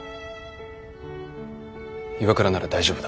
岩倉なら大丈夫だ。